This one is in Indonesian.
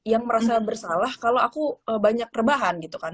yang merasa bersalah kalau aku banyak rebahan gitu kan